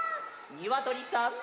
にわとりさん！